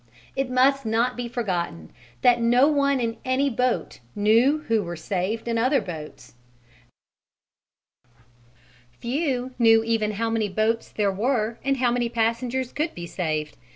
It must not be forgotten that no one in any one boat knew who were saved in other boats: few knew even how many boats there were and how many passengers could be saved.